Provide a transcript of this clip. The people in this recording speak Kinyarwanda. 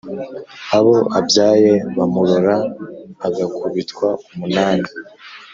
Abo abyaye bamurora, agakubitwa umunani